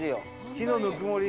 木のぬくもり！